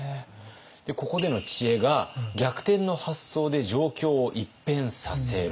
ここでの知恵が「逆転の発想で状況を一変させろ！」。